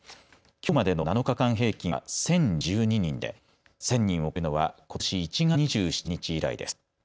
きょうまでの７日間平均は１０１２人で１０００人を超えるのはことし１月２７日以来です。